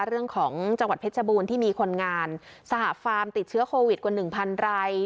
เรื่องของจังหวัดเพชรบูรณ์ที่มีคนงานสหฟาร์มติดเชื้อโควิดกว่าหนึ่งพันราย